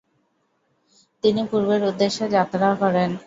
তিনি পূর্বের উদ্দেশ্যে যাত্রা করেন।